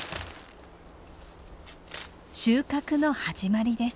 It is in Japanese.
収穫の始まりです。